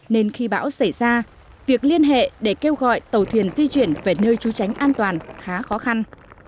nên khi bão xảy ra việc liên hệ để kêu gọi tàu thuyền di chuyển về nơi trú tránh an toàn khá khó khăn